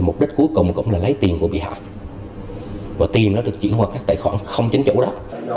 mục đích cuối cùng cũng là lấy tiền của bị hại và tiền đó được chuyển vào các tài khoản không chính chủ đó